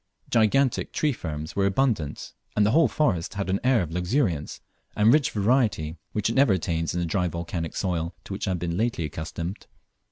Gigantic tree ferns were abundant, and the whole forest had an air of luxuriance and rich variety which it never attains in the dry volcanic soil to which I had been lately accustomed.